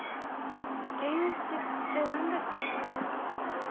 原子ってなんだっけ。